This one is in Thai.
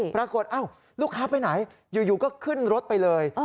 ปรากฏลูกค้าไปไหนอยู่ก็ขึ้นรถไปเลย